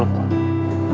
bahkan mau telukmu